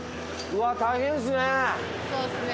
うわ大変ですね。